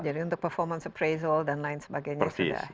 jadi untuk performance appraisal dan lain sebagainya sudah